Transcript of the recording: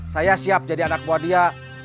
saya siap jadi anak buah dia